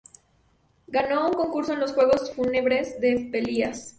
Ganó un concurso en los Juegos Fúnebres de Pelias.